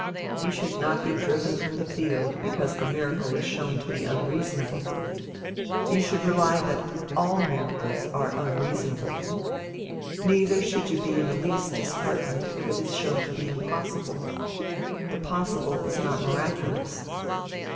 You should not be driven from the field because the miracle is shown to be unreasonable. You should reply that all miracles are unreasonable. Neither should you be in the least disheartened if it is shown to be impossible. The possible is not miraculous.